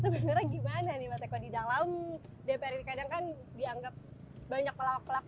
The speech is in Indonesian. sebenarnya gimana nih mas eko